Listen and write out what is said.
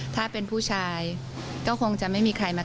ถ้าเป็นผู้ชายก็คงจะไม่มีใครมา